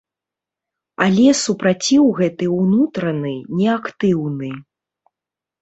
Але супраціў гэты ўнутраны, неактыўны.